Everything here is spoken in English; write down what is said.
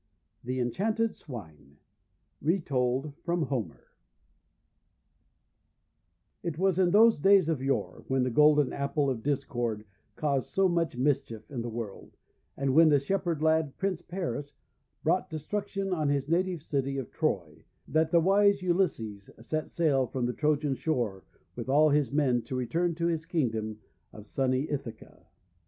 THE ENCHANTED SWINE Retold from Homer IT was in those days of yore, when the Golden Apple of Discord caused so much mischief in the world, and when the Shepherd lad, Prince Paris, brought destruction on his native city of Troy, that the wise Ulysses set sail from the Trojan shore with all his men, to return to his Kingdom of sunny Ithaca.